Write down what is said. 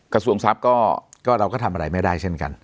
กระทรวงทรัพย์ก็เราก็ทำอะไรไม่ได้เช่นกัน